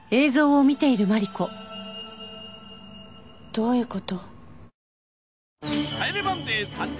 どういう事？